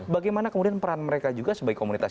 bagaimana kemudian peran mereka juga sebagai komunitas